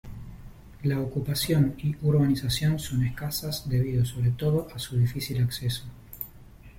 La ocupación y urbanización son escasas debido sobre todo a su difícil acceso.